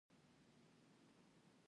کندهار د افغانستان د کلتوري میراث برخه ده.